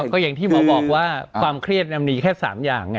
ก็อย่างที่หมอบอกว่าความเครียดมีแค่๓อย่าง